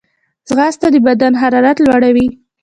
ځغاسته د بدن حرارت لوړوي